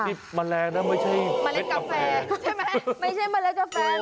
ที่มะแรงนะมะแร็งกาแฟ